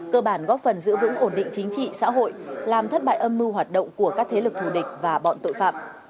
cơ bản góp phần giữ vững ổn định chính trị xã hội làm thất bại âm mưu hoạt động của các thế lực thù địch và bọn tội phạm